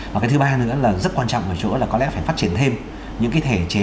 và cái thứ ba nữa là rất quan trọng ở chỗ là có lẽ phải phát triển thêm những cái thể chế